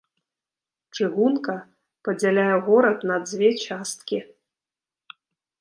Чыгунка падзяляе горад на дзве часткі.